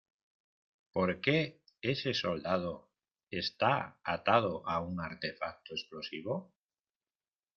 ¿ Por qué ese soldado está atado a un artefacto explosivo?